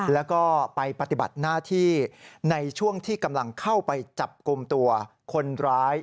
แล้วก็ไปปฏิบัติหน้าที่ในช่วงที่กำลังเข้าไปจับกลุ่มตัวคนร้าย